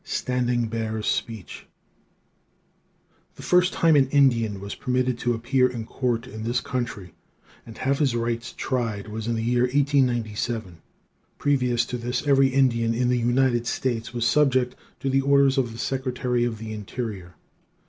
_ STANDING BEAR'S SPEECH The first time an Indian was permitted to appear in court in this country and have his rights tried, was in the year 1897. Previous to this every Indian in the United States was subject to the orders of the Secretary of the Interior.